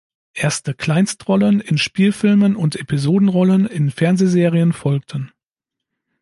Erste Kleinstrollen in Spielfilmen und Episodenrollen in Fernsehserien folgten.